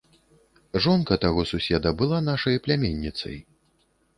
Жонка таго суседа была нашай пляменніцай.